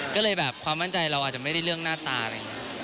ก็เลยแบบความมั่นใจเราอาจจะไม่ได้เรื่องหน้าตาอะไรอย่างนี้